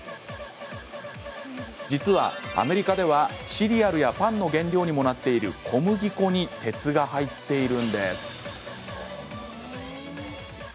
実は、アメリカではシリアルやパンの原料にもなっている小麦粉に鉄が入っているんです。